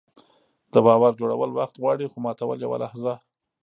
د باور جوړول وخت غواړي، خو ماتول یوه لحظه.